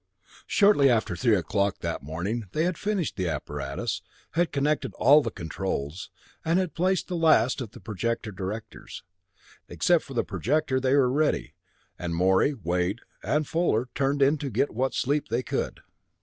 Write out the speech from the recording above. Shortly after three o'clock that morning they had finished the apparatus, had connected all the controls, and had placed the last of the projector directors. Except for the projector they were ready, and Morey, Wade and Fuller turned in to get what sleep they could.